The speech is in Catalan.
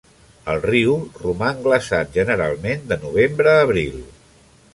El riu roman glaçat generalment de novembre a abril.